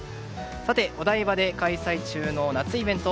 お台場で開催中の夏イベント